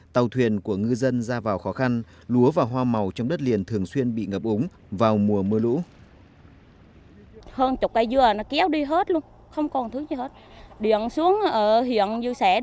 tàu thuyền của ngư dân ra vào khó khăn lúa và hoa màu trong đất liền thường xuyên bị ngập ống vào mùa mưa lũ